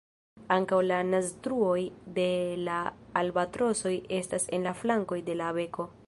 Ankaŭ la naztruoj de la albatrosoj estas en la flankoj de la beko.